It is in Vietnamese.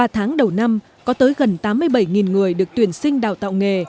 ba tháng đầu năm có tới gần tám mươi bảy người được tuyển sinh đào tạo nghề